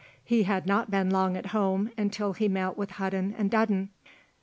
He had not been long at home until he met with Hudden and Dudden.